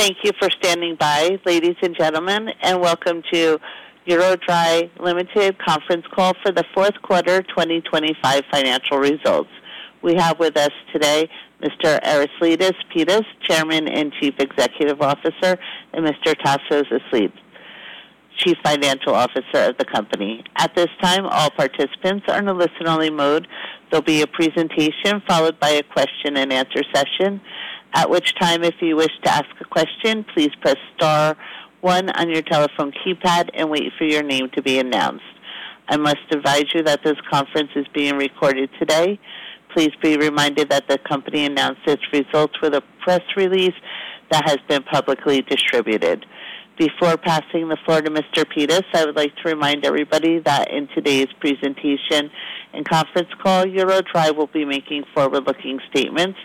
Thank you for standing by, ladies and gentlemen, and welcome to EuroDry Limited conference call for the fourth quarter 2025 financial results. We have with us today Mr. Aristides Pittas, Chairman and Chief Executive Officer, and Mr. Tasos Aslidis, Chief Financial Officer of the company. At this time, all participants are in a listen-only mode. There'll be a presentation followed by a question and answer session, at which time, if you wish to ask a question, please press star one on your telephone keypad and wait for your name to be announced. I must advise you that this conference is being recorded today. Please be reminded that the company announced its results with a press release that has been publicly distributed. Before passing the floor to Mr. Pittas, I would like to remind everybody that in today's presentation and conference call, EuroDry will be making forward-looking statements.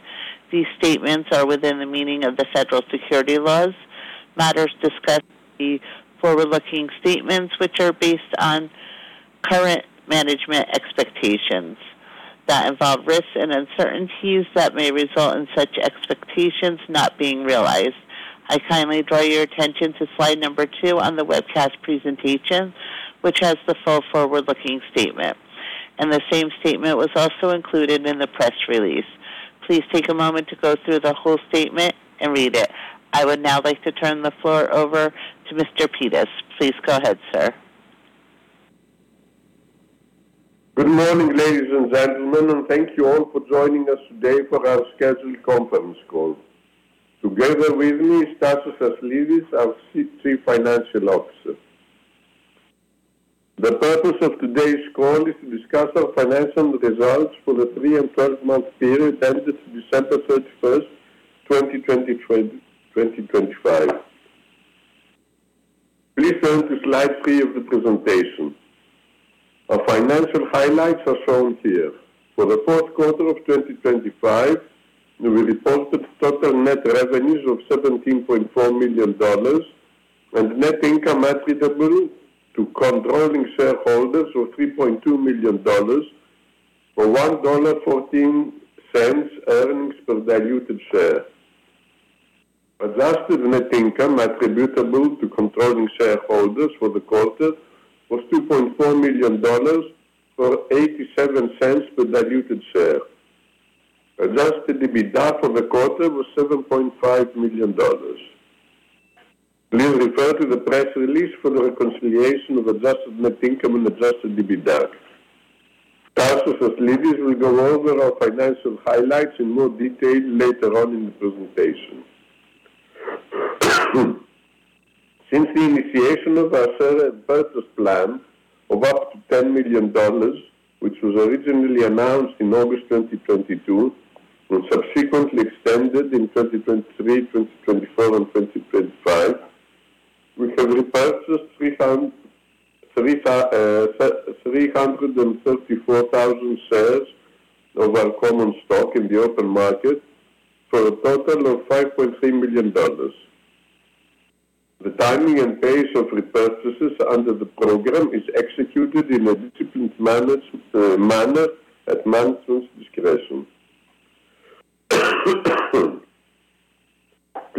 These statements are within the meaning of the federal securities laws. Matters discussed the forward-looking statements, which are based on current management expectations, that involve risks and uncertainties that may result in such expectations not being realized. I kindly draw your attention to slide number 2 on the webcast presentation, which has the full forward-looking statement, and the same statement was also included in the press release. Please take a moment to go through the whole statement and read it. I would now like to turn the floor over to Mr. Pittas. Please go ahead, sir. Good morning, ladies and gentlemen, and thank you all for joining us today for our scheduled conference call. Together with me is Tasos Aslidis, our Chief Financial Officer. The purpose of today's call is to discuss our financial results for the three- and twelve-month period ended December 31, 2025. Please turn to slide 3 of the presentation. Our financial highlights are shown here. For the fourth quarter of 2025, we reported total net revenues of $17.4 million and net income attributable to controlling shareholders of $3.2 million for $1.14 earnings per diluted share. Adjusted net income attributable to controlling shareholders for the quarter was $2.4 million for $0.87 per diluted share. Adjusted EBITDA for the quarter was $7.5 million. Please refer to the press release for the reconciliation of Adjusted net income and Adjusted EBITDA. Tasos Aslidis will go over our financial highlights in more detail later on in the presentation. Since the initiation of our share repurchase plan of up to $10 million, which was originally announced in August 2022 and subsequently extended in 2023, 2024, and 2025, we have repurchased 334,000 shares of our common stock in the open market for a total of $5.3 million. The timing and pace of repurchases under the program is executed in a disciplined, managed manner at management's discretion.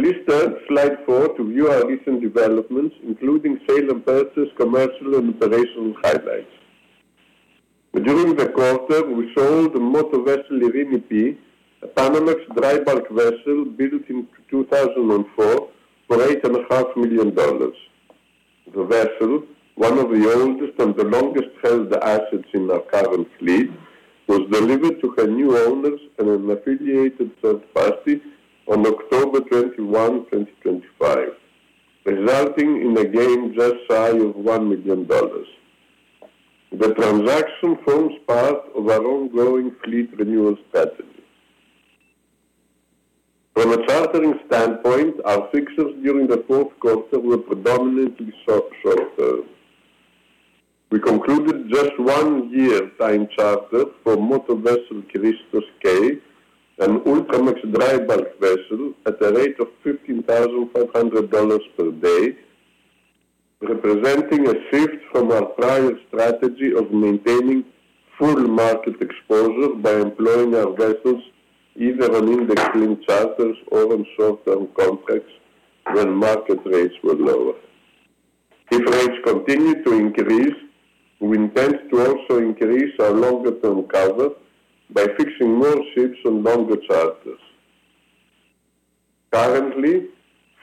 Please turn to slide 4 to view our recent developments, including sale and purchase, commercial and operational highlights. During the quarter, we sold the M/V Eirini P., a Panamax dry bulk vessel built in 2004, for $8.5 million. The vessel, one of the oldest and the longest-held assets in our current fleet, was delivered to her new owners and an affiliated third party on October 21, 2025, resulting in a gain just shy of $1 million. The transaction forms part of our ongoing fleet renewal strategy. From a chartering standpoint, our fixtures during the fourth quarter were predominantly short-term. We concluded just one year time charter for motor vessel Christos K, an Ultramax dry bulk vessel at a rate of $15,500 per day, representing a shift from our prior strategy of maintaining full market exposure by employing our vessels either on index-linked charters or on short-term contracts when market rates were lower. If rates continue to increase, we intend to also increase our longer-term cover by fixing more ships on longer charters. Currently,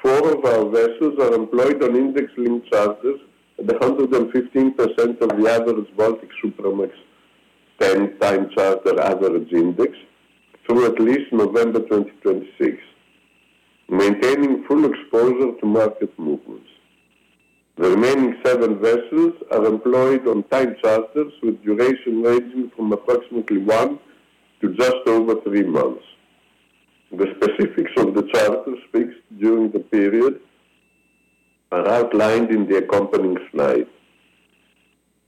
four of our vessels are employed on index-linked charters at 115% of the average Baltic Supramax 10-time charter average index through at least November 2026, maintaining full exposure to market movements. The remaining seven vessels are employed on time charters, with duration ranging from approximately one to just over three months. The specifics of the charters fixed during the period are outlined in the accompanying slide.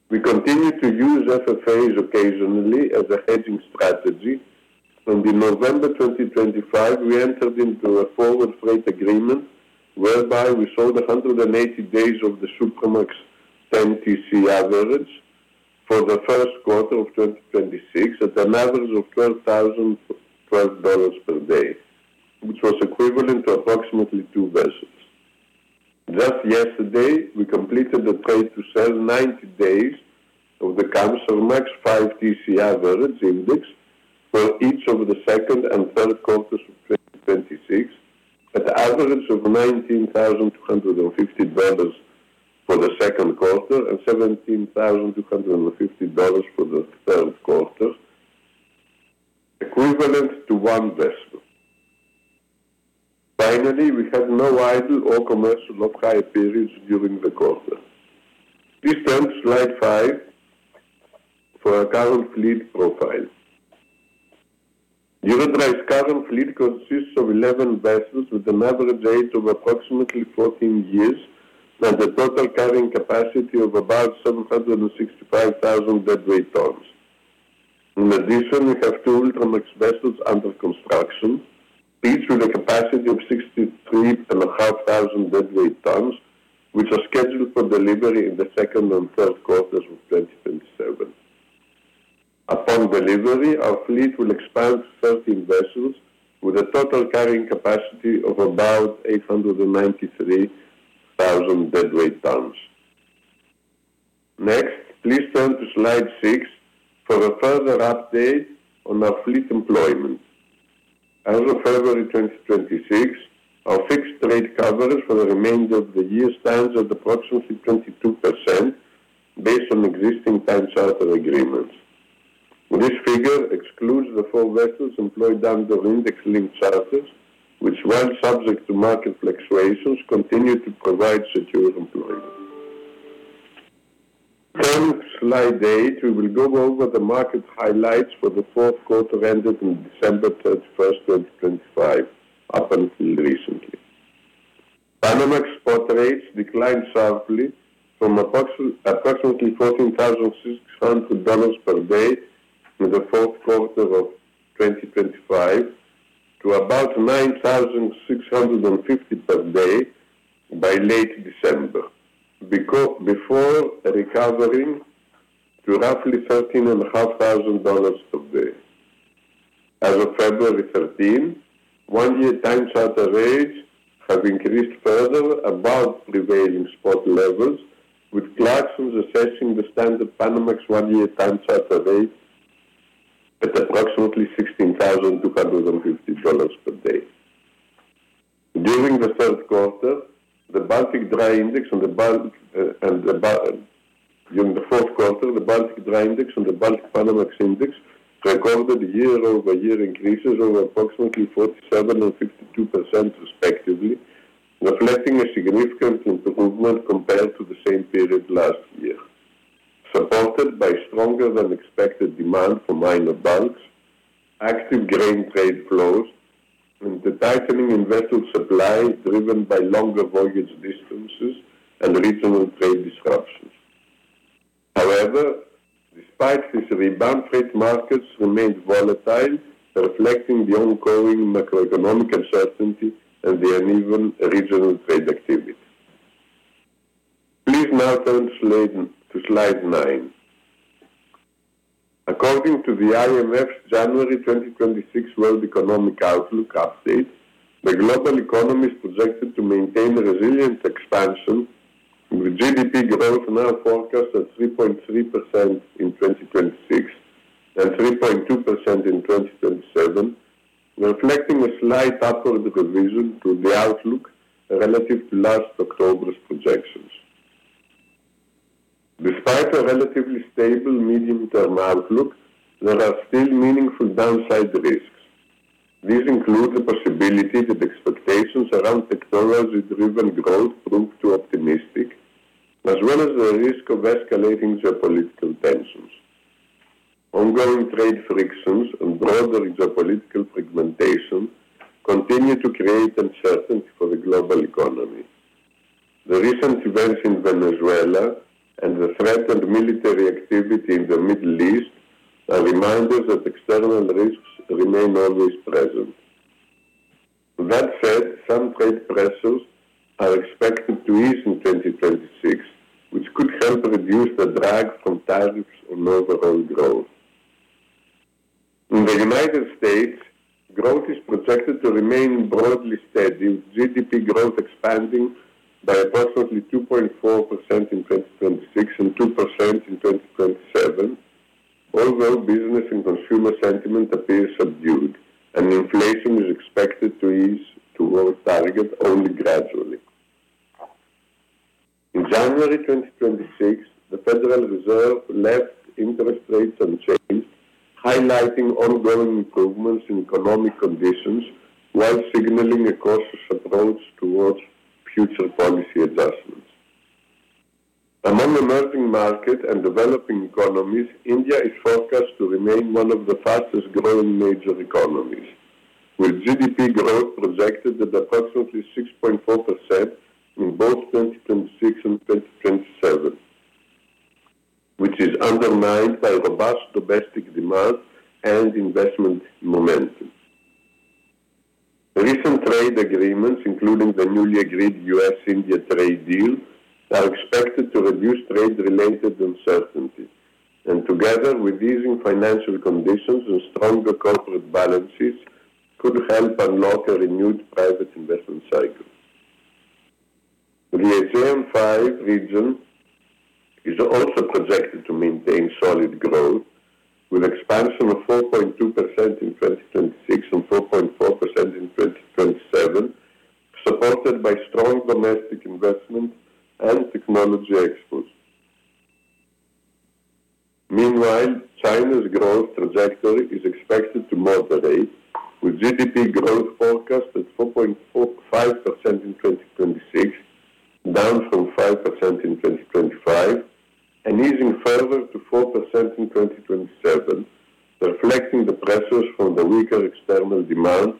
We continue to use FFAs occasionally as a hedging strategy, and in November 2025, we entered into a forward freight agreement whereby we sold 180 days of the Supramax 10 TC average for the first quarter of 2026, at an average of $12,012 per day, which was equivalent to approximately two vessels. Just yesterday, we completed the trade to sell 90 days of the Supramax 5 TC average index for each of the second and third quarters of 2026, at an average of $19,250 for the second quarter and $17,250 for the third quarter, equivalent to one vessel. Finally, we had no idle or commercial off hire periods during the quarter. Please turn to slide 5 for our current fleet profile. EuroDry's current fleet consists of 11 vessels, with an average age of approximately 14 years and a total carrying capacity of about 765,000 deadweight tons. In addition, we have 2 Ultramax vessels under construction, each with a capacity of 63,500 deadweight tons, which are scheduled for delivery in the second and third quarters of 2027. Upon delivery, our fleet will expand to 13 vessels with a total carrying capacity of about 893,000 deadweight tons. Next, please turn to slide 6 for a further update on our fleet employment. As of February 2026, our fixed rate coverage for the remainder of the year stands at approximately 22%, based on existing time charter agreements. This figure excludes the four vessels employed under index-linked charters, which, while subject to market fluctuations, continue to provide secure employment. Turn to slide 8, we will go over the market highlights for the fourth quarter ended on December 31, 2025, up until recently. Panamax spot rates declined sharply from approximately $14,600 per day in the fourth quarter of 2025 to about $9,650 per day by late December before recovering to roughly $13,500 per day. As of February 13, 1-year time charter rates have increased further above prevailing spot levels, with Clarksons assessing the standard Panamax 1-year time charter rate at approximately $16,250 per day. During the third quarter, the Baltic Dry Index and the balance. During the fourth quarter, the Baltic Dry Index and the Baltic Panamax Index recorded year-over-year increases of approximately 47% and 52% respectively, reflecting a significant improvement compared to the same period last year, supported by stronger than expected demand from minor bulks, active grain trade flows and the tightening in vessel supply, driven by longer voyage distances and regional trade disruptions. However, despite this rebound, trade markets remained volatile, reflecting the ongoing macroeconomic uncertainty and the uneven regional trade activity. Please now turn to slide nine. According to the IMF's January 2026 World Economic Outlook update, the global economy is projected to maintain resilient expansion, with GDP growth now forecast at 3.3% in 2026 and 3.2% in 2027, reflecting a slight upward revision to the outlook relative to last October's projections. Despite a relatively stable medium-term outlook, there are still meaningful downside risks. These include the possibility that expectations around technology-driven growth prove too optimistic, as well as the risk of escalating geopolitical tensions. Ongoing trade frictions and broader geopolitical fragmentation continue to create uncertainty for the global economy. The recent events in Venezuela and the threatened military activity in the Middle East are reminders that external risks remain always present. That said, some trade pressures are expected to ease in 2026, which could help reduce the drag from tariffs on overall growth. In the United States, growth is projected to remain broadly steady, with GDP growth expanding by approximately 2.4% in 2026 and 2% in 2027, although business and consumer sentiment appears subdued and inflation is expected to ease towards target only gradually. In January 2026, the Federal Reserve left interest rates unchanged, highlighting ongoing improvements in economic conditions while signaling a cautious approach towards future policy adjustments. Among emerging market and developing economies, India is forecast to remain one of the fastest-growing major economies, with GDP growth projected at approximately 6.4% in both 2026 and 2027, which is undermined by robust domestic demand and investment momentum.... Recent trade agreements, including the newly agreed US-India trade deal, are expected to reduce trade-related uncertainties, and together with easing financial conditions and stronger corporate balances, could help unlock a renewed private investment cycle. The ASEAN-5 region is also projected to maintain solid growth, with expansion of 4.2% in 2026 and 4.4% in 2027, supported by strong domestic investment and technology exports. Meanwhile, China's growth trajectory is expected to moderate, with GDP growth forecast at 4.45% in 2026, down from 5% in 2025, and easing further to 4% in 2027, reflecting the pressures from the weaker external demand,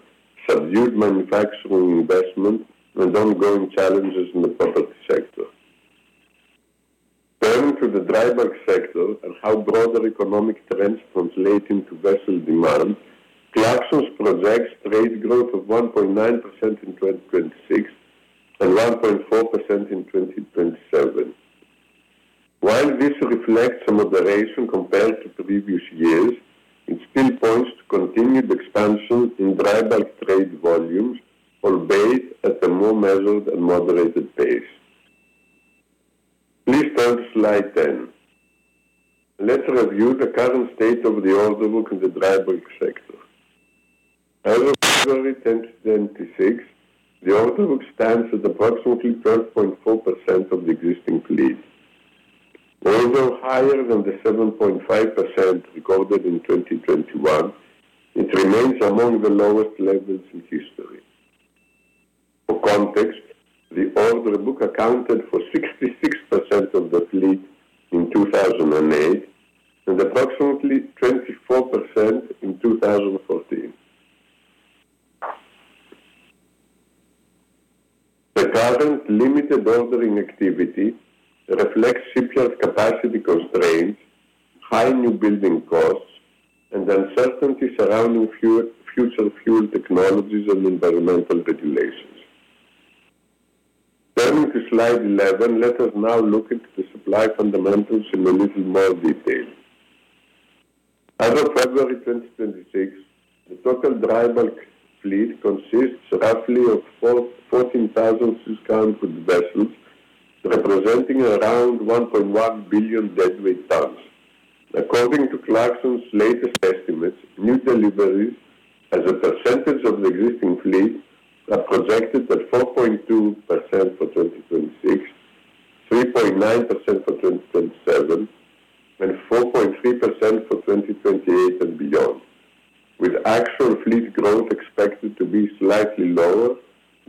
subdued manufacturing investment, and ongoing challenges in the property sector. Turning to the dry bulk sector and how broader economic trends translate into vessel demand, Clarksons projects trade growth of 1.9% in 2026 and 1.4% in 2027. While this reflects a moderation compared to previous years, it still points to continued expansion in dry bulk trade volumes, albeit at a more measured and moderated pace. Please turn to slide 10. Let's review the current state of the order book in the dry bulk sector. As of February 10, 2026, the order book stands at approximately 13.4% of the existing fleet. Although higher than the 7.5% recorded in 2021, it remains among the lowest levels in history. For context, the order book accounted for 66% of the fleet in 2008, and approximately 24% in 2014. The current limited ordering activity reflects shipyard capacity constraints, high new building costs, and uncertainty surrounding future fuel technologies and environmental regulations. Turning to slide 11, let us now look at the supply fundamentals in a little more detail. As of February 2026, the total dry bulk fleet consists roughly of 14,600 vessels, representing around 1.1 billion deadweight tons. According to Clarksons' latest estimates, new deliveries as a percentage of the existing fleet are projected at 4.2% for 2026, 3.9% for 2027, and 4.3% for 2028 and beyond, with actual fleet growth expected to be slightly lower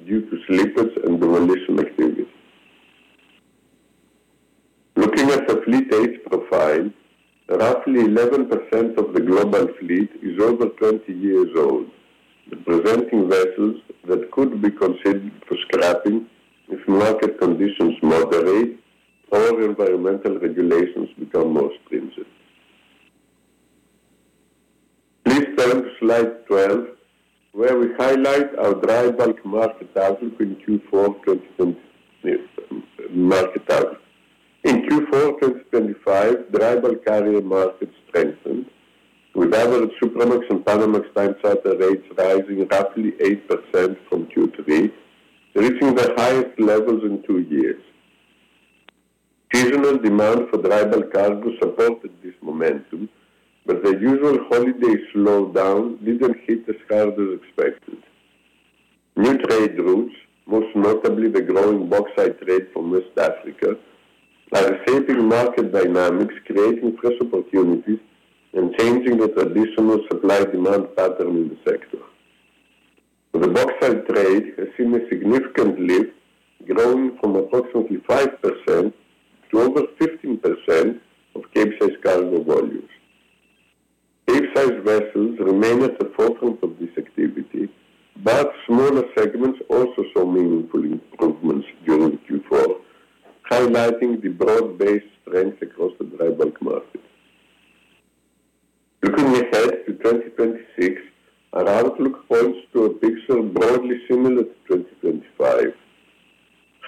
due to slippage and demolition activities. Looking at the fleet age profile, roughly 11% of the global fleet is over 20 years old, representing vessels that could be considered for scrapping if market conditions moderate or environmental regulations become more stringent. Please turn to slide 12, where we highlight our dry bulk market outlook in Q4 2025 market outlook. In Q4 2025, dry bulk carrier market strengthened, with average Supramax and Panamax time charter rates rising roughly 8% from Q3, reaching the highest levels in 2 years. Seasonal demand for dry bulk cargo supported this momentum, but the usual holiday slowdown didn't hit as hard as expected. New trade routes, most notably the growing bauxite trade from West Africa, are reshaping market dynamics, creating fresh opportunities and changing the traditional supply-demand pattern in the sector. The bauxite trade has seen a significant leap, growing from approximately 5% to over 15% of Capesize cargo volumes. Capesize vessels remain at the forefront of this activity, but smaller segments also saw meaningful improvements during Q4, highlighting the broad-based strength across the dry bulk market. Looking ahead to 2026, our outlook points to a picture broadly similar to 2025.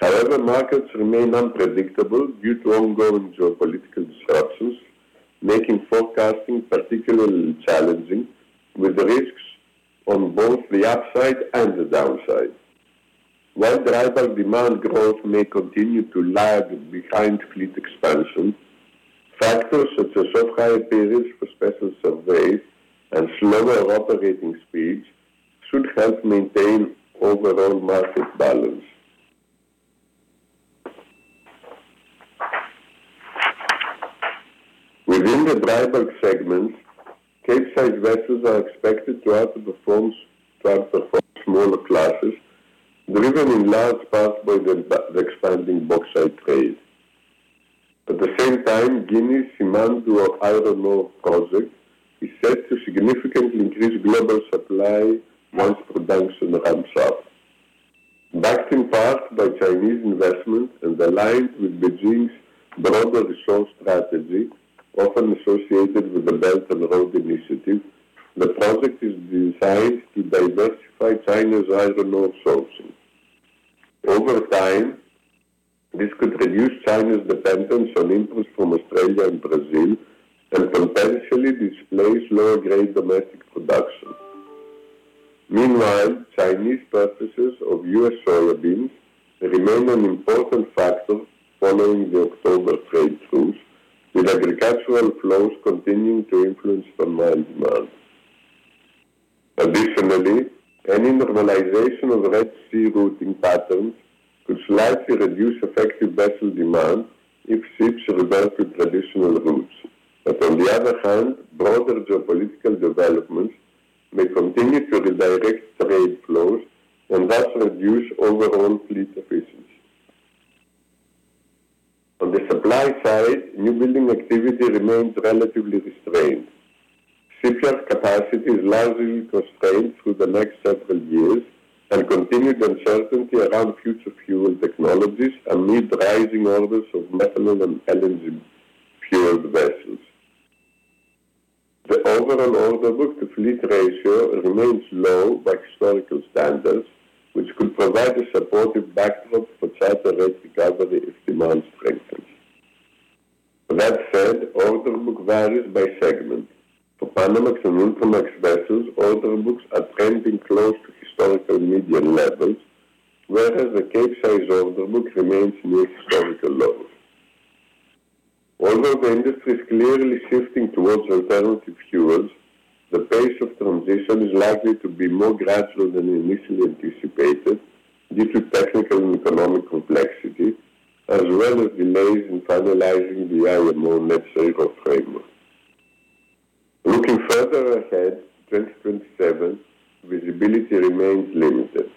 However, markets remain unpredictable due to ongoing geopolitical disruptions, making forecasting particularly challenging, with risks on both the upside and the downside. While driver demand growth may continue to lag behind fleet expansion, factors such as offshore periods for special surveys and slower operating speeds should help maintain overall market balance. Within the dry bulk segment, Capesize vessels are expected to outperform smaller classes, driven in large part by the expanding bauxite trade. At the same time, Guinea's demand for iron ore projects is set to significantly increase global supply once production ramps up. Backed in part by Chinese investment and aligned with Beijing's broader resource strategy, often associated with the Belt and Road Initiative, the project is designed to diversify China's iron ore sourcing. Over time, this could reduce China's dependence on imports from Australia and Brazil, and potentially displace lower-grade domestic production. Meanwhile, Chinese purchases of U.S. soybeans remain an important factor following the October trade truce, with agricultural flows continuing to influence demand. Additionally, any normalization of Red Sea routing patterns could slightly reduce effective vessel demand if ships revert to traditional routes. But on the other hand, broader geopolitical developments may continue to redirect trade flows and thus reduce overall fleet efficiency. On the supply side, new building activity remains relatively restrained. Shipyard capacity is largely constrained through the next several years, and continued uncertainty around future fuel technologies amid rising orders of methanol and LNG-fueled vessels. The overall order book to fleet ratio remains low by historical standards, which could provide a supportive backdrop for charter rate recovery if demand strengthens. That said, order book varies by segment. For Panamax and Ultramax vessels, order books are trending close to historical median levels, whereas the Capesize order book remains near historical lows. Although the industry is clearly shifting towards alternative fuels, the pace of transition is likely to be more gradual than initially anticipated, due to technical and economic complexity, as well as delays in finalizing the IMO necessary framework. Looking further ahead, 2027 visibility remains limited.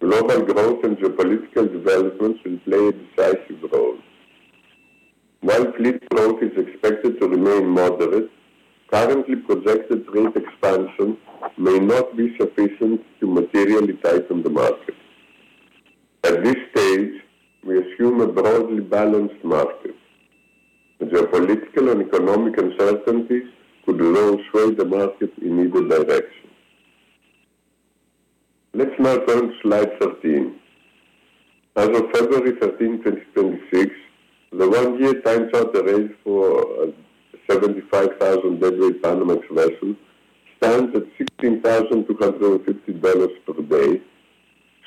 Global growth and geopolitical developments will play a decisive role. While fleet growth is expected to remain moderate, currently projected fleet expansion may not be sufficient to materially tighten the market. At this stage, we assume a broadly balanced market. Geopolitical and economic uncertainty could well sway the market in either direction. Let's now turn to slide 13. As of February 13, 2026, the one-year time charter rate for 75,000 Panamax vessels stands at $16,250 per day,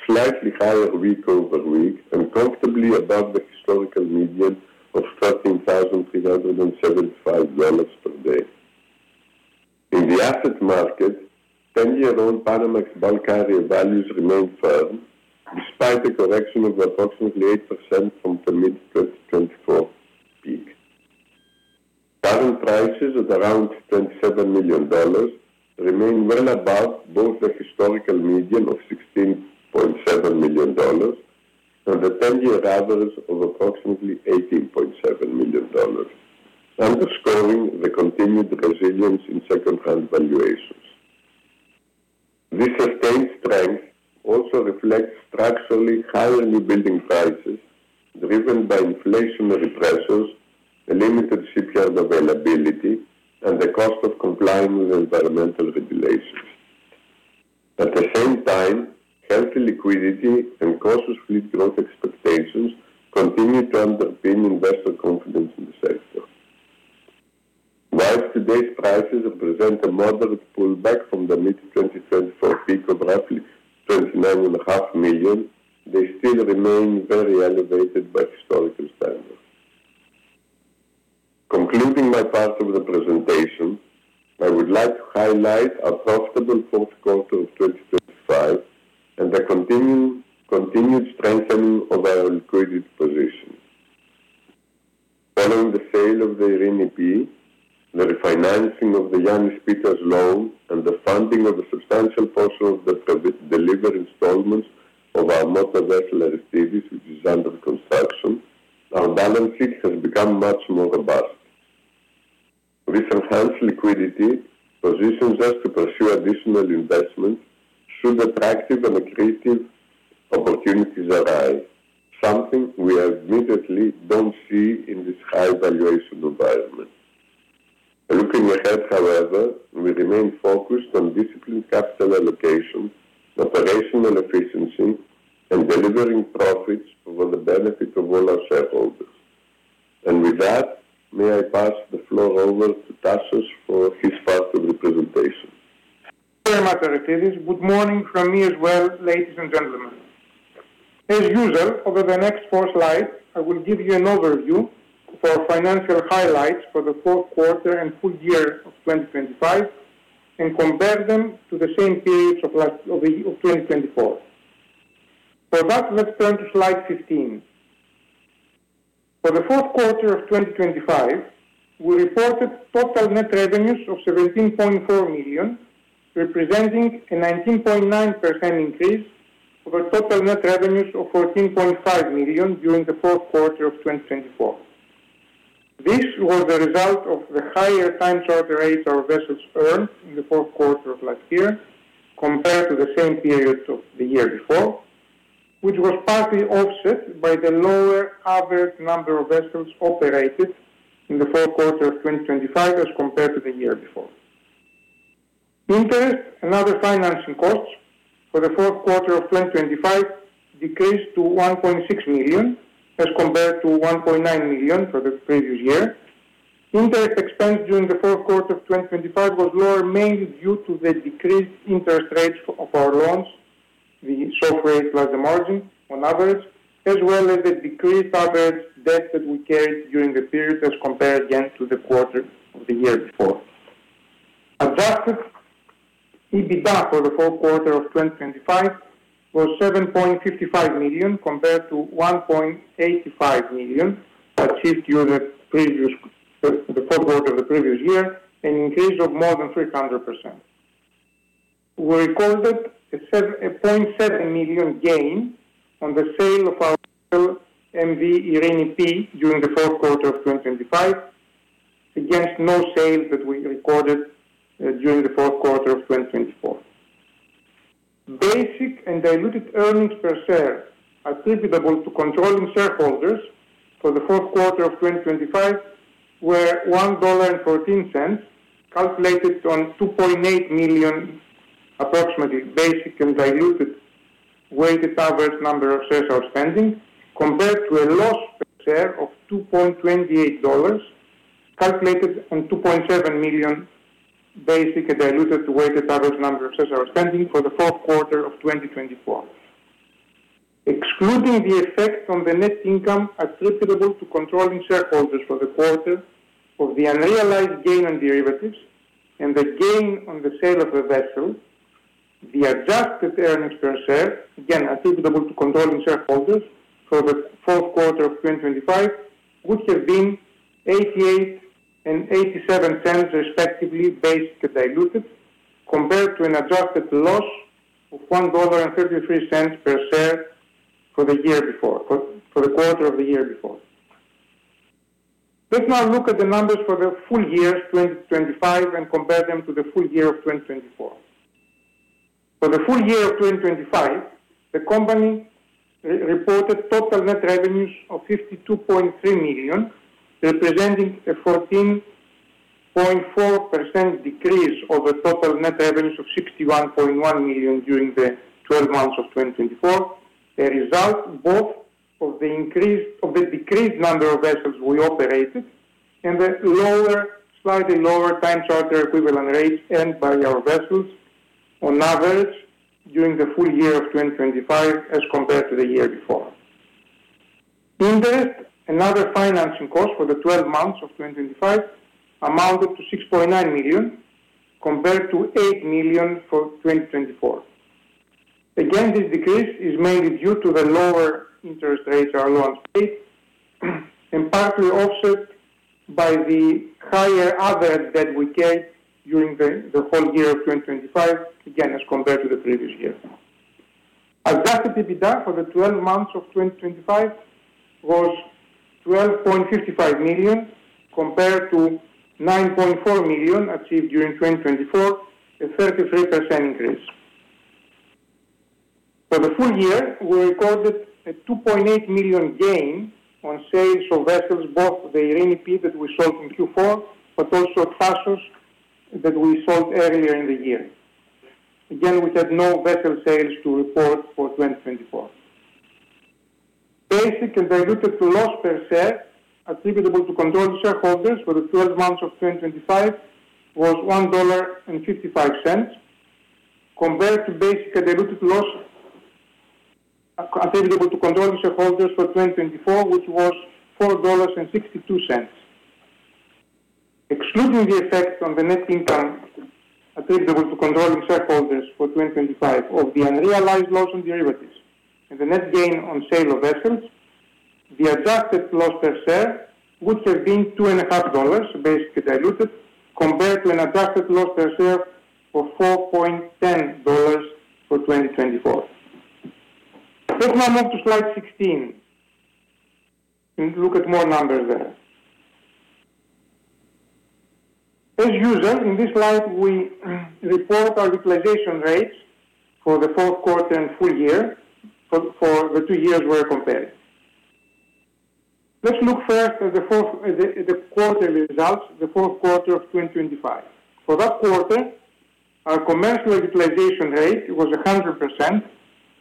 slightly higher week-over-week, and comfortably above the historical median of $13,375 per day. In the asset market, 10-year-old Panamax bulk carrier values remain firm, despite a correction of approximately 8% from the mid-2024 peak. Current prices at around $27 million remain well above both the historical median of $16.7 million and the 10-year average of approximately $18.7 million, underscoring the continued resilience in secondhand valuations. This sustained strength also reflects structurally higher new building prices, driven by inflationary pressures and limited shipyard availability, and the cost of complying with environmental regulations. At the same time, healthy liquidity and cautious fleet growth expectations continue to underpin investor confidence in the sector. While today's prices represent a moderate pullback from the mid-2024 peak of roughly $29.5 million, they still remain very elevated by historical standards. Concluding my part of the presentation, I would like to highlight a profitable fourth quarter of 2025 and the continued strengthening of our liquidity position. Following the sale of the Eirini P., the refinancing of the Giannis P. loan, and the funding of a substantial portion of the delivery installments of our motor vessel Aristeidis, which is under construction, our balance sheet has become much more robust. This enhanced liquidity positions us to pursue additional investments should attractive and accretive opportunities arise, something we admittedly don't see in this high valuation environment. Looking ahead, however, we remain focused on disciplined capital allocation, operational efficiency, and delivering profits for the benefit of all our shareholders. With that, may I pass the floor over to Tasos for his part of the presentation. Thank you very much, Aristides. Good morning from me as well, ladies and gentlemen. As usual, over the next 4 slides, I will give you an overview for financial highlights for the fourth quarter and full year of 2025 and compare them to the same periods of last of 2024. For that, let's turn to slide 15. For the fourth quarter of 2025, we reported total net revenues of $17.4 million, representing a 19.9% increase over total net revenues of $14.5 million during the fourth quarter of 2024. This was the result of the higher time charter rates our vessels earned in the fourth quarter of last year, compared to the same period of the year before, which was partly offset by the lower average number of vessels operated in the fourth quarter of 2025 as compared to the year before. Interest and other financing costs for the fourth quarter of 2025 decreased to $1.6 million, as compared to $1.9 million for the previous year. Interest expense during the fourth quarter of 2025 was lower, mainly due to the decreased interest rates of our loans, the SOFR rate plus the margin on average, as well as the decreased average debt that we carried during the period, as compared again to the quarter of the year before. Adjusted EBITDA for the fourth quarter of 2025 was $7.55 million, compared to $1.85 million achieved during the previous, the fourth quarter of the previous year, an increase of more than 300%. We recorded a 7, a 0.7 million gain on the sale of our M/V Eirini P. during the fourth quarter of 2025, against no sales that we recorded, during the fourth quarter of 2024. Basic and diluted earnings per share attributable to controlling shareholders for the fourth quarter of 2025 were $1.14, calculated on 2.8 million, approximately basic and diluted weighted average number of shares outstanding, compared to a loss per share of $2.28, calculated on 2.7 million basic and diluted to weighted average number of shares outstanding for the fourth quarter of 2024. Excluding the effect on the net income attributable to controlling shareholders for the quarter of the unrealized gain on derivatives and the gain on the sale of the vessel, the adjusted earnings per share, again, attributable to controlling shareholders for the fourth quarter of 2025, would have been $0.88 and $0.87, respectively, basic and diluted, compared to an adjusted loss of $1.33 per share for the quarter of the year before. Let's now look at the numbers for the full year 2025 and compare them to the full year of 2024. For the full year of 2025, the company re-reported total net revenues of $52.3 million, representing a 14.4% decrease over total net revenues of $61.1 million during the twelve months of 2024. A result both of the decrease in the number of vessels we operated and the lower, slightly lower time charter equivalent rates earned by our vessels on average during the full year of 2025 as compared to the year before. Interest and other financing costs for the 12 months of 2025 amounted to $6.9 million, compared to $8 million for 2024. Again, this decrease is mainly due to the lower interest rates our loans paid, and partly offset by the higher average that we carried during the whole year of 2025, again, as compared to the previous year. Adjusted EBITDA for the 12 months of 2025 was $12.55 million, compared to $9.4 million achieved during 2024, a 33% increase. For the full year, we recorded a $2.8 million gain on sales of vessels, both the Eirini P. that we sold in Q4, but also Tasos that we sold earlier in the year. Again, we had no vessel sales to report for 2024. Basic and diluted loss per share attributable to controlling shareholders for the 12 months of 2025 was $1.55, compared to basic and diluted loss attributable to controlling shareholders for 2024, which was $4.62. Excluding the effect on the net income attributable to controlling shareholders for 2025 of the unrealized loss on derivatives and the net gain on sale of vessels, the adjusted loss per share would have been $2.50, basic and diluted, compared to an adjusted loss per share of $4.10 for 2024. Let's now move to slide 16 and look at more numbers there. As usual, in this slide, we report our utilization rates for the fourth quarter and full year for the two years we are comparing. Let's look first at the fourth quarter results, the fourth quarter of 2025. For that quarter, our commercial utilization rate was 100%,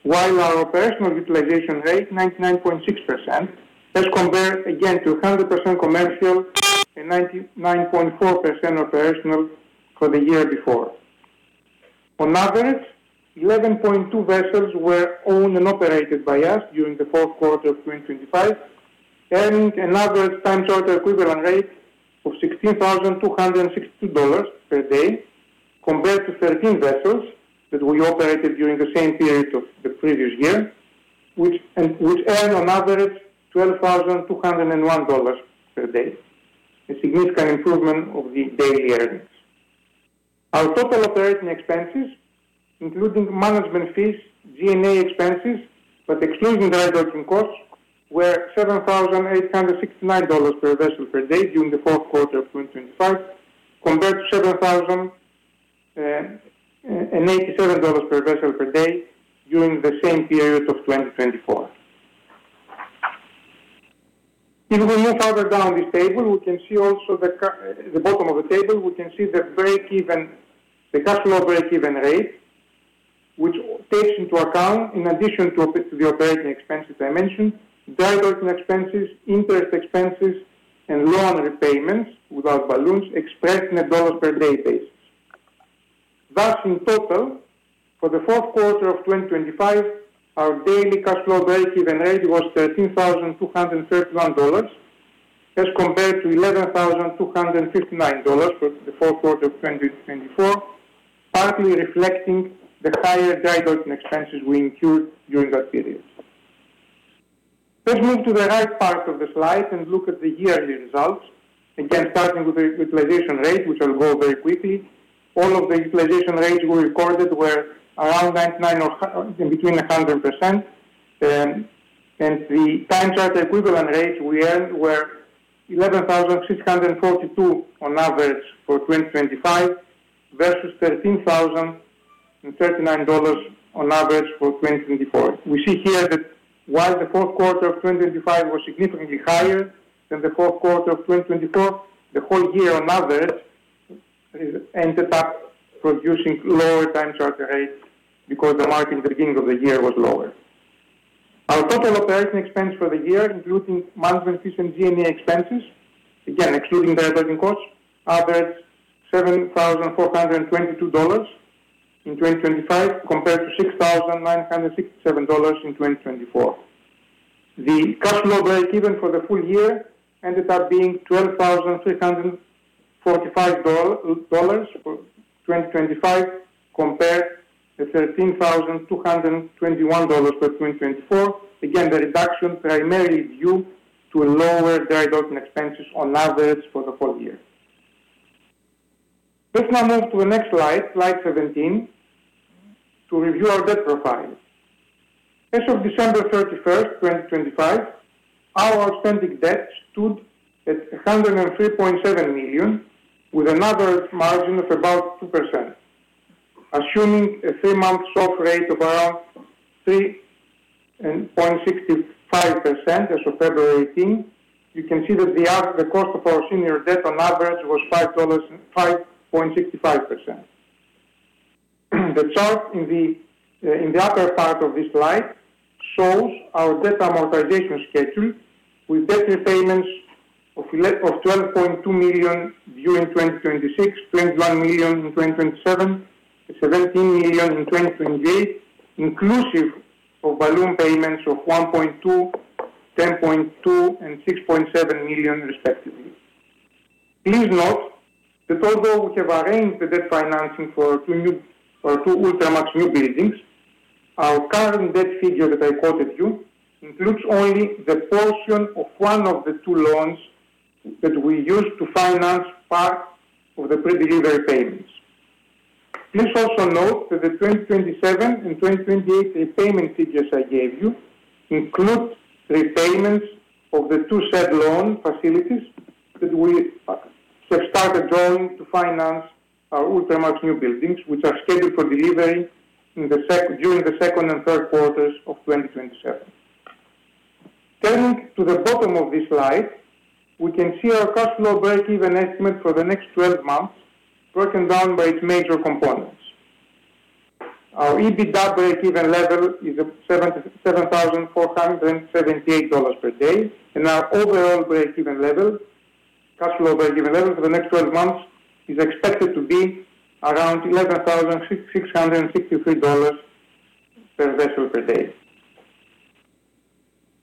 while our operational utilization rate, 99.6%, as compared again to 100% commercial and 99.4% operational for the year before. On average, 11.2 vessels were owned and operated by us during the fourth quarter of 2025, earning an average time charter equivalent rate of $16,260 per day, compared to thirteen vessels that we operated during the same period of the previous year, which earned on average $12,201 per day, a significant improvement of the daily earnings. Our total operating expenses, including management fees, G&A expenses, but excluding dry docking costs, were $7,869 per vessel per day during the fourth quarter of 2025, compared to seven thousand and eighty-seven dollars per vessel per day during the same period of 2024. If we move further down this table, we can see also the bottom of the table, we can see the breakeven, the cash breakeven rate, which takes into account, in addition to, the operating expenses I mentioned, dry docking expenses, interest expenses, and loan repayments without balloons expressed in a dollars per day basis. Thus, in total, for the fourth quarter of 2025, our daily cash flow breakeven rate was $13,231, as compared to $11,259 for the fourth quarter of 2024, partly reflecting the higher dry docking expenses we incurred during that period. Let's move to the right part of the slide and look at the yearly results. Again, starting with the utilization rate, which I'll go very quickly. All of the utilization rates we recorded were around 99% or in between 100%. The time charter equivalent rate we earned were 11,642 on average for 2025, versus $13,039 on average for 2024. We see here that while the fourth quarter of 2025 was significantly higher than the fourth quarter of 2024, the whole year on average ended up producing lower time charter rates because the market at the beginning of the year was lower. Our total operating expense for the year, including management fees and G&A expenses, again, excluding dry docking costs, averaged $7,422 in 2025, compared to $6,967 in 2024. The cash flow breakeven for the full year ended up being $12,345 for 2025, compared to $13,221 for 2024. Again, the reduction primarily due to lower dry docking expenses on average for the full year. Let's now move to the next slide, slide 17, to review our debt profile. As of December 31, 2025, our outstanding debt stood at $103.7 million, with an average margin of about 2%. Assuming a three-month SOFR rate of around 3.65% as of February 18, you can see that the cost of our senior debt on average was 5.65%. The chart in the upper part of this slide shows our debt amortization schedule, with debt repayments of $12.2 million during 2026, $21 million in 2027, and $17 million in 2028, inclusive of balloon payments of $1.2 million, $10.2 million, and $6.7 million, respectively. Please note that although we have arranged the debt financing for two new or two Ultramax newbuildings, our current debt figure that I quoted you, includes only the portion of one of the two loans that we used to finance part of the pre-delivery payments. Please also note that the 2027 and 2028 repayment figures I gave you include repayments of the two said loan facilities that we have started drawing to finance our Ultramax newbuildings, which are scheduled for delivery during the second and third quarters of 2027. Turning to the bottom of this slide, we can see our cash flow breakeven estimate for the next 12 months, broken down by its major components. Our EBITDA breakeven level is at $7,748 per day, and our overall breakeven level, cash flow breakeven level for the next 12 months is expected to be around $11,663 per vessel per day.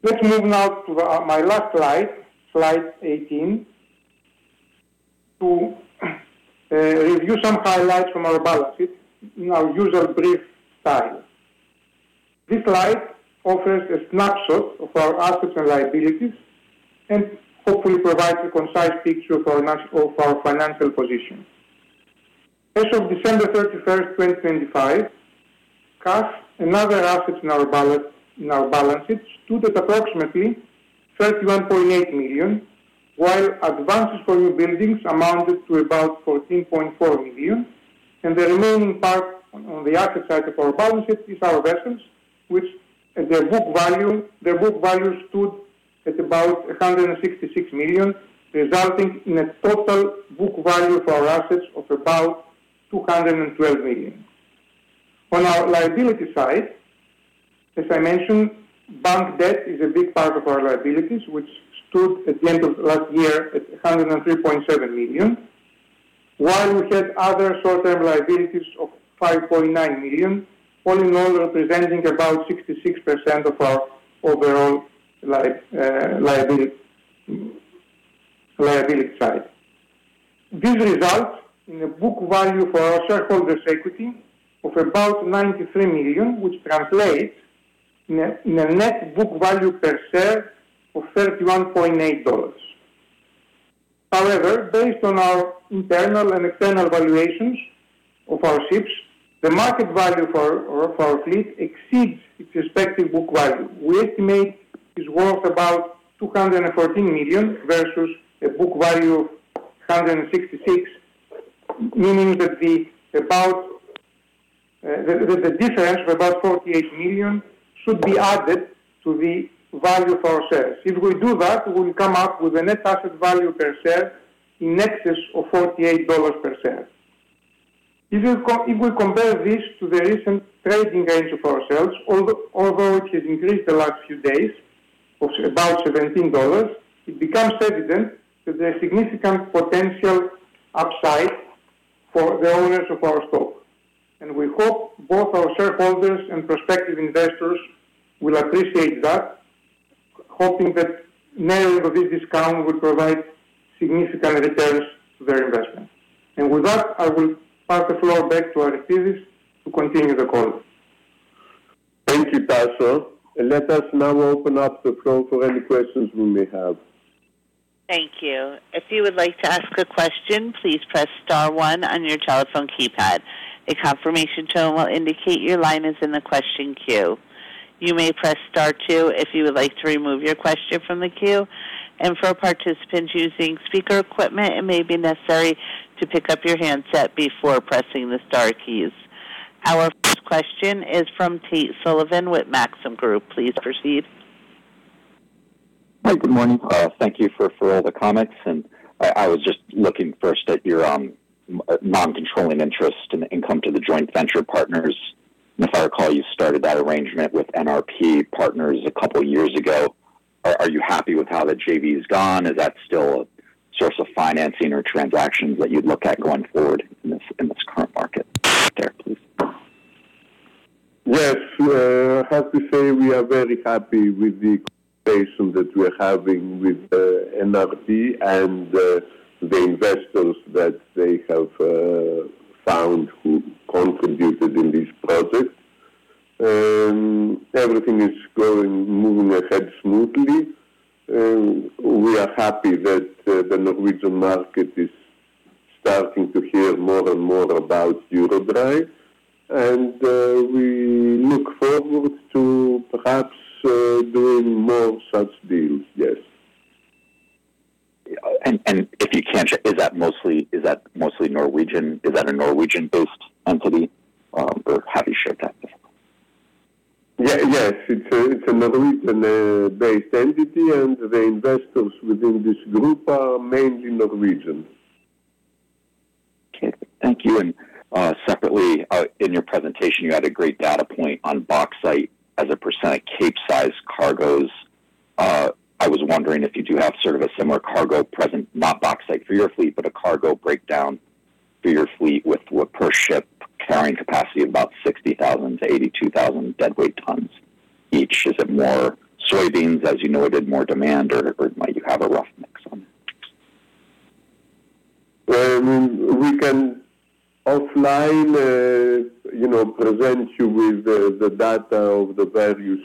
Let's move now to my last slide, slide 18, to review some highlights from our balance sheet in our usual brief style. This slide offers a snapshot of our assets and liabilities, and hopefully provides a concise picture of our financial position. As of December 31, 2025, cash and other assets in our balance sheet stood at approximately $31.8 million, while advances for newbuildings amounted to about $14.4 million. The remaining part on the asset side of our balance sheet is our vessels, which their book value stood at about $166 million, resulting in a total book value for our assets of about $212 million. On our liability side, as I mentioned, bank debt is a big part of our liabilities, which stood at the end of last year at $103.7 million. While we had other short-term liabilities of $5.9 million, all in all, representing about 66% of our overall liability side. This results in a book value for our shareholders' equity of about $93 million, which translates in a net book value per share of $31.8. However, based on our internal and external valuations of our ships, the market value for our fleet exceeds its respective book value. We estimate it's worth about $214 million versus a book value of $166 million, meaning that the difference of about $48 million should be added to the value of our shares. If we do that, we will come up with a net asset value per share in excess of $48 per share. If we compare this to the recent trading range of our shares, although it has increased the last few days to about $17, it becomes evident that there's significant potential upside for the owners of our stock. And we hope both our shareholders and prospective investors will appreciate that, hoping that narrowing of this discount will provide significant returns to their investment. And with that, I will pass the floor back to Aristides to continue the call. Thank you, Tasos, and let us now open up the floor for any questions we may have. Thank you. If you would like to ask a question, please press star one on your telephone keypad. A confirmation tone will indicate your line is in the question queue. You may press star two if you would like to remove your question from the queue, and for participants using speaker equipment, it may be necessary to pick up your handset before pressing the star keys. Our first question is from Tate Sullivan with Maxim Group. Please proceed. Hi, good morning. Thank you for all the comments. And I was just looking first at your non-controlling interest and income to the joint venture partners. And if I recall, you started that arrangement with NRP Partners a couple years ago. Are you happy with how that JV has gone? Is that still a source of financing or transactions that you'd look at going forward in this current market there, please? Yes, I have to say, we are very happy with the conversation that we're having with, NRP and, the investors that they have, found who contributed in this project. Everything is going, moving ahead smoothly, and we are happy that the, the Norwegian market is starting to hear more and more about EuroDry. And, we look forward to perhaps, doing more such deals. Yes. And if you can share, is that mostly Norwegian? Is that a Norwegian-based entity, or how do you share that? Yes, it's a Norwegian-based entity, and the investors within this group are mainly Norwegian. Okay. Thank you. And, separately, in your presentation, you had a great data point on bauxite as a % of Capesize cargos. I was wondering if you do have sort of a similar cargo present, not bauxite for your fleet, but a cargo breakdown for your fleet with, with per ship carrying capacity of about 60,000-82,000 deadweight tons each. Is it more soybeans, as you noted, more demand, or, or might you have a rough mix on it? We can offline, you know, present you with the data of the various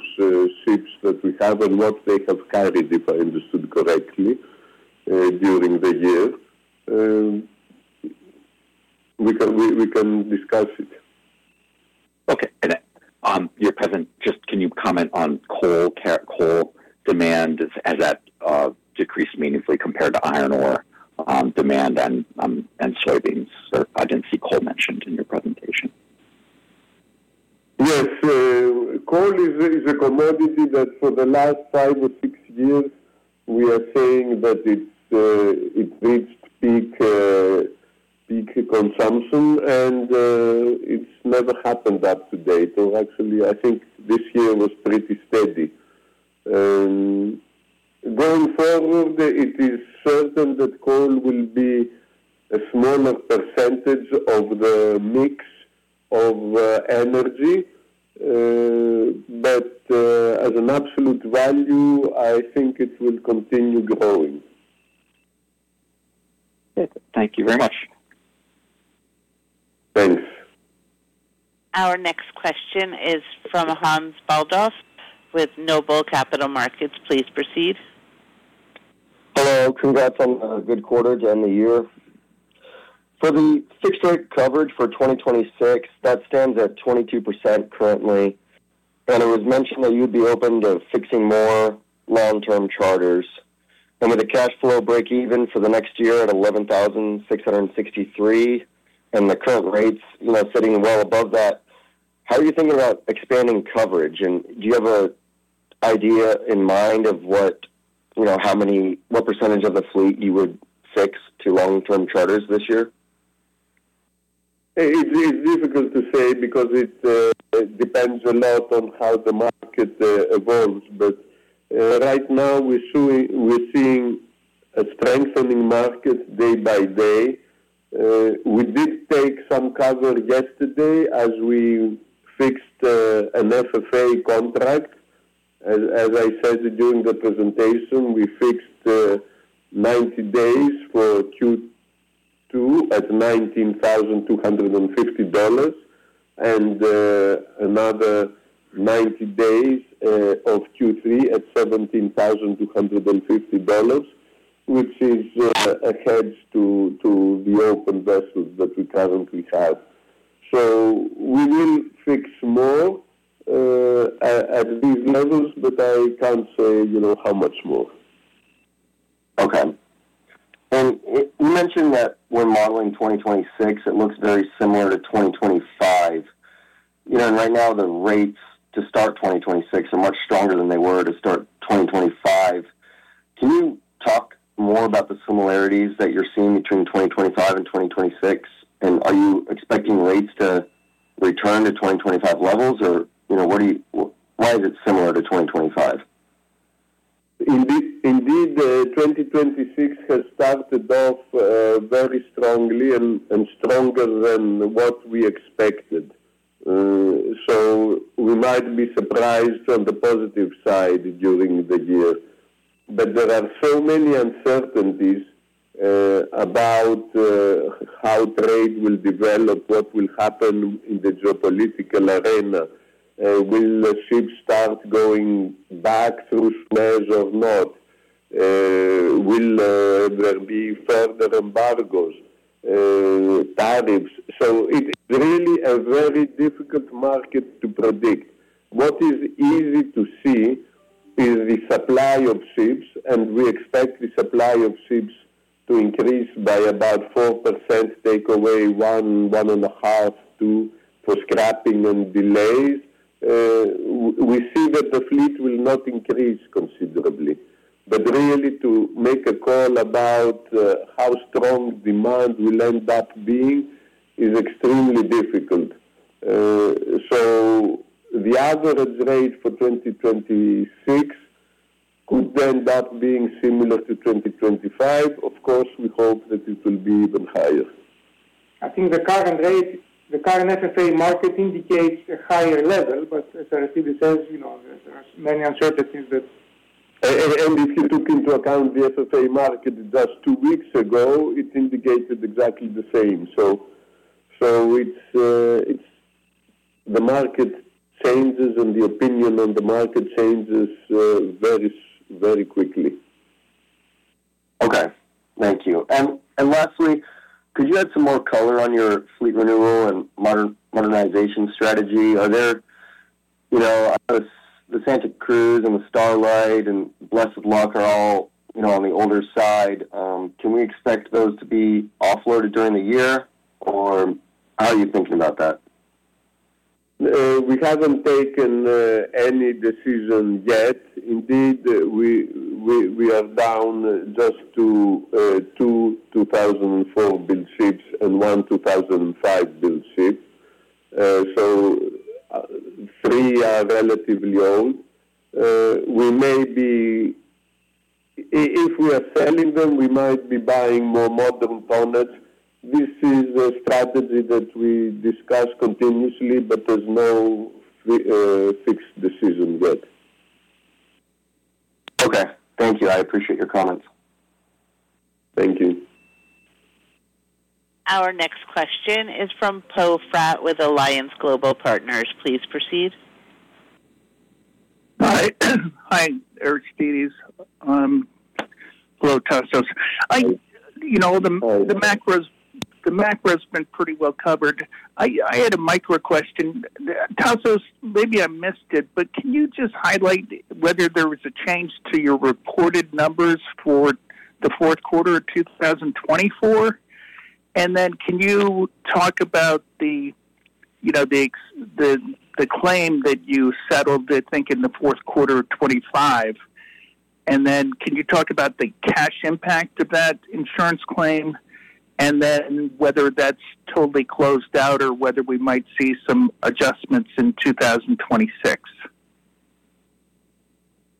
ships that we have and what they have carried, if I understood correctly, during the year. We can discuss it. Okay. And your presentation, just can you comment on coal demand? Has that decreased meaningfully compared to iron ore demand and soybeans? So I didn't see coal mentioned in your presentation. Yes. Coal is a commodity that for the last 5 or 6 years, we are saying that it's it reached peak consumption, and it's never happened up to date. So actually, I think this year was pretty steady. Going forward, it is certain that coal will be a smaller percentage of the mix of energy, but as an absolute value, I think it will continue growing. Okay. Thank you very much. Thanks. Our next question is from Hans Baldauf, with Noble Capital Markets. Please proceed. Hello, congrats on a good quarter and the year. For the fixed rate coverage for 2026, that stands at 22% currently, and it was mentioned that you'd be open to fixing more long-term charters. And with the cash flow break even for the next year at $11,663, and the current rates, you know, sitting well above that, how are you thinking about expanding coverage? And do you have an idea in mind of what, you know, how many -- what percentage of the fleet you would fix to long-term charters this year? It's difficult to say because it depends a lot on how the market evolves. But right now we're seeing a strengthening market day by day. We did take some cover yesterday as we fixed an FFA contract. As I said during the presentation, we fixed 90 days for Q2 two at $19,250, and another 90 days of Q3 at $17,250, which is a hedge to the open vessels that we currently have. So we will fix more at these levels, but I can't say, you know, how much more. Okay. And you mentioned that we're modeling 2026, it looks very similar to 2025. You know, right now the rates to start 2026 are much stronger than they were to start 2025. Can you talk more about the similarities that you're seeing between 2025 and 2026? And are you expecting rates to return to 2025 levels or, you know, why is it similar to 2025? Indeed, indeed, 2026 has started off very strongly and stronger than what we expected. So we might be surprised on the positive side during the year. But there are so many uncertainties about how trade will develop, what will happen in the geopolitical arena. Will the ships start going back through Suez or not? Will there be further embargoes, tariffs? So it's really a very difficult market to predict. What is easy to see is the supply of ships, and we expect the supply of ships to increase by about 4%, take away 1, 1.5, 2, for scrapping and delays. We see that the fleet will not increase considerably. But really, to make a call about how strong demand will end up being is extremely difficult. The average rate for 2026 could end up being similar to 2025. Of course, we hope that it will be even higher. I think the current rate, the current FFA market indicates a higher level, but as Aris says, you know, there are many uncertainties that- And if you took into account the FFA market just two weeks ago, it indicated exactly the same. So it's the market changes and the opinion on the market changes very, very quickly. Okay. Thank you. And lastly, could you add some more color on your fleet renewal and modernization strategy? Are there... You know, the Santa Cruz and the Starlight and Blessed Luck are all, you know, on the older side. Can we expect those to be offloaded during the year, or how are you thinking about that? We haven't taken any decision yet. Indeed, we are down just to two 2004-built ships and one 2005-built ship. So, three are relatively old. We may be... if we are selling them, we might be buying more modern products. This is a strategy that we discuss continuously, but there's no fixed decision yet. Okay. Thank you. I appreciate your comments. Thank you. Our next question is from P Fratt with Alliance Global Partners. Please proceed. Hi. Hi, Aristides. Hello, Tassos. You know, the macro has been pretty well covered. I had a micro question. Tassos, maybe I missed it, but can you just highlight whether there was a change to your reported numbers for the fourth quarter of 2024? And then can you talk about the, you know, the claim that you settled, I think, in the fourth quarter of 2025? And then can you talk about the cash impact of that insurance claim, and then whether that's totally closed out or whether we might see some adjustments in 2026?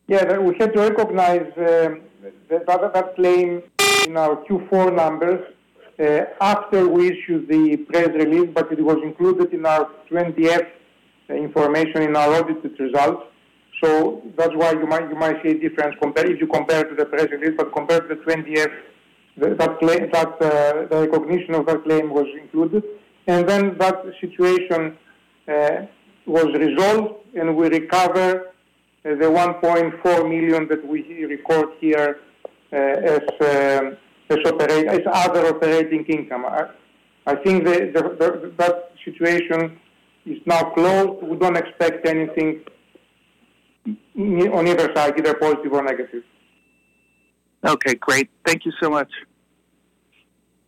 Yeah, we had to recognize that claim in our Q4 numbers after we issued the press release, but it was included in our 20-F information in our audited results. So that's why you might see a difference if you compare to the press release, but compare to the 20-F, that claim, the recognition of that claim was included. And then that situation was resolved, and we recover the $1.4 million that we record here as other operating income. I think that situation is now closed. We don't expect anything on either side, either positive or negative. Okay, great. Thank you so much.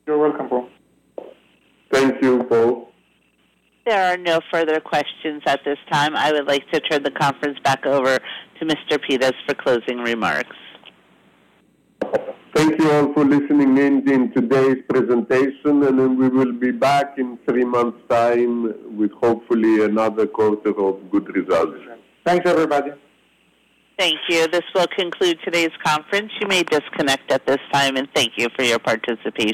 You're welcome, Paul. Thank you, Paul. There are no further questions at this time. I would like to turn the conference back over to Mr. Pittas for closing remarks. Thank you all for listening in in today's presentation, and then we will be back in three months' time with hopefully another quarter of good results. Thanks, everybody. Thank you. This will conclude today's conference. You may disconnect at this time, and thank you for your participation.